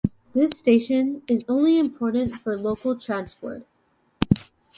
This station is only important for local transport.